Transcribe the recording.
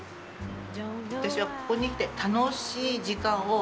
私はここに来て楽しい時間を。